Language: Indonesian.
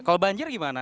kalau banjir gimana